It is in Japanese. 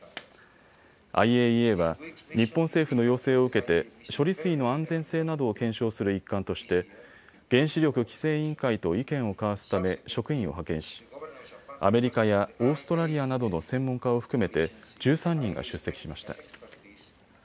ＩＡＥＡは日本政府の要請を受けて処理水の安全性などを検証する一環として原子力規制委員会と意見を交わすため職員を派遣しアメリカやオーストラリアなどの専門家を含めて１３人が出席しました。